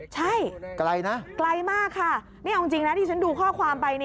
ใช่ไกลนะไกลมากค่ะนี่เอาจริงนะที่ฉันดูข้อความไป